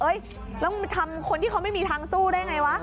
แล้วมึงทำคนที่เขาไม่มีทางสู้ได้ไงวะ